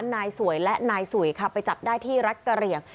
นายสวยและนายสุยค่ะไปจับได้ที่รัฐกะเหลี่ยง